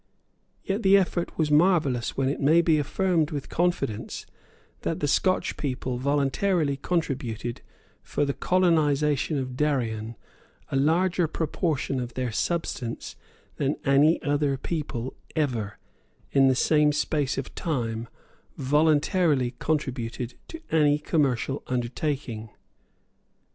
Yet the effort was marvellous when it may be affirmed with confidence that the Scotch people voluntarily contributed for the colonisation of Darien a larger proportion of their substance than any other people ever, in the same space of time, voluntarily contributed to any commercial undertaking.